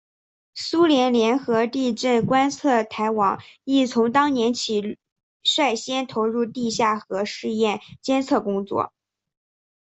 苏联联合地震观测台网亦从当年起率先投入地下核试验监测工作。